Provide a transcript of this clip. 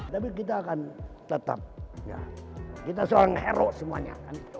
tapi kita akan tetap ya kita seorang hero semuanya